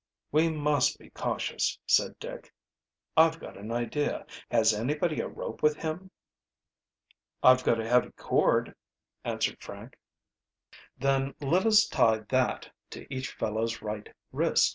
"We must be cautious," said Dick. "I've got an idea. Has anybody a rope with him?" "I've got a heavy cord," answered Frank. "Then let us tie that to each fellow's right wrist.